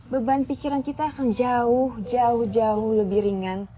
beban pikiran kita akan jauh jauh lebih ringan